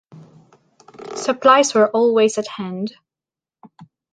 Supplies were always at hand.